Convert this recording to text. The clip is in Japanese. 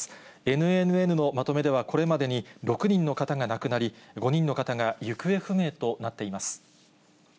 ＮＮＮのまとめでは、これまでに６人の方が亡くなり、５人の方が行方不明となっています。